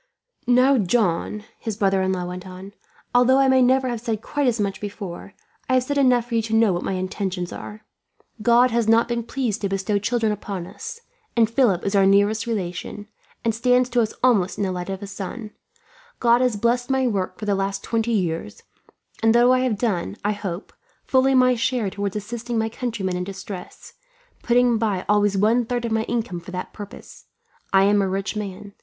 "Now, John," his brother in law went on, "although I may never have said quite as much before, I have said enough for you to know what my intentions are. God has not been pleased to bestow children upon us; and Philip is our nearest relation, and stands to us almost in the light of a son. God has blest my work for the last twenty years, and though I have done, I hope, fully my share towards assisting my countrymen in distress, putting by always one third of my income for that purpose, I am a rich man.